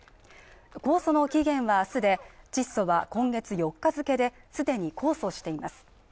控訴の期限はすでにチッソは今月４日付ですでに控訴しています